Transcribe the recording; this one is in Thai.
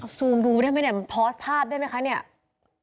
เอาซูมดูได้มั้ยเนี่ยมันพอร์สภาพได้มั้ยคะเนี่ย